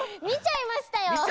みちゃいましたよ。